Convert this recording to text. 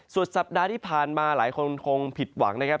สัปดาห์ที่ผ่านมาหลายคนคงผิดหวังนะครับ